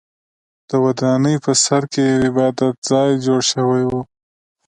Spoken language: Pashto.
د ودانۍ په سر کې یو عبادت ځای جوړ شوی و.